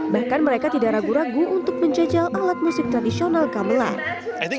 bahkan mereka tidak ragu ragu untuk menjejal alat musik tradisional gamelan